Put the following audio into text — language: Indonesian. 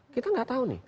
kita enggak tahu nih